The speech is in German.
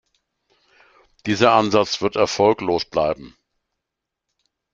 Dieser Ansatz wird erfolglos bleiben.